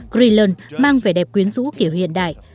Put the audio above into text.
crelan mang vẻ đẹp quyến rũ kiểu hiện đại